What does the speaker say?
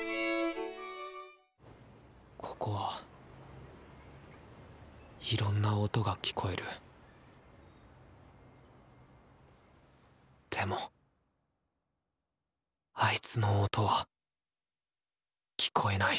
ここはいろんな音が聴こえるでもあいつの音は聴こえない